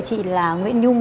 chị là nguyễn nhung